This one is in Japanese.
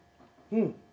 うん。